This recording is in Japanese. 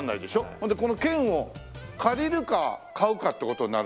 そんでこの剣を借りるか買うかって事になるんですか？